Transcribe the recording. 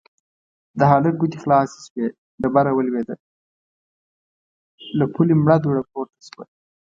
د هلک ګوتې خلاصې شوې، ډبره ولوېده، له پولې مړه دوړه پورته شوه.